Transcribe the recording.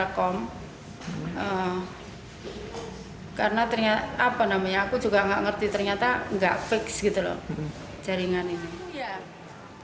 karena ternyata aku juga nggak ngerti ternyata nggak fix gitu loh jaringannya